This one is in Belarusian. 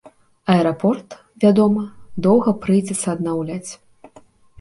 Аэрапорт, вядома, доўга прыйдзецца аднаўляць.